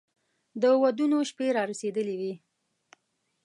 د ودونو شپې را رسېدلې وې.